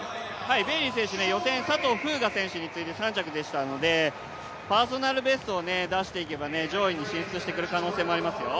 ベイリー選手、予選、佐藤風雅選手に次いで３着でしたので、パーソナルベストを出していけば上位に進出してくる可能性もありますよ。